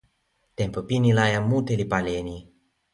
tenpo pini la jan mute li pali e ni.